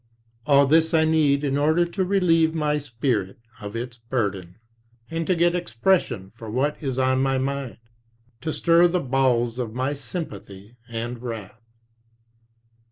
All this I need in order to relieve my spirit of its burden, and to get expression for what is on my mind, to stir the bo\vels of my sympathy and wrath."